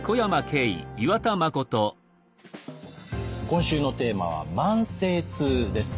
今週のテーマは「慢性痛」です。